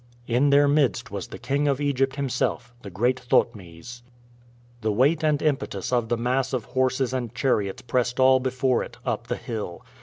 In their midst was the King of Egypt himself, the great Thotmes. The weight and impetus of the mass of horses and chariots pressed all before it up the hill.